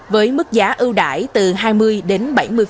với mức giá ưu đại từ hai mươi đến bảy mươi